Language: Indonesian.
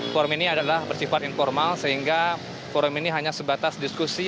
forum ini adalah bersifat informal sehingga forum ini hanya sebatas diskusi